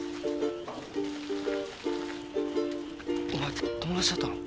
お前友達だったの？